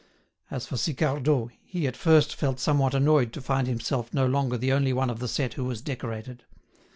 As for Sicardot, he at first felt somewhat annoyed to find himself no longer the only one of the set who was decorated.